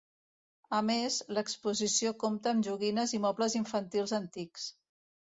A més, l’exposició compta amb joguines i mobles infantils antics.